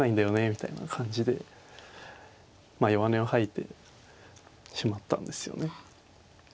みたいな感じでまあ弱音を吐いてしまったんですよね。